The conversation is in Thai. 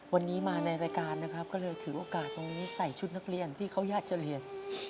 วันนี้มาในรายการนะครับก็เลยถือโอกาสตรงนี้ใส่ชุดนักเรียนที่เขาอยากจะเรียน